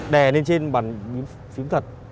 đè lên trên bàn phím thật